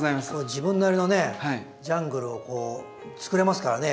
自分なりのねジャングルをこうつくれますからね。